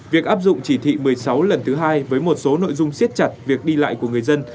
việc áp dụng chỉ thị một mươi sáu lần thứ hai với một số nội dung siết chặt việc đi lại của người dân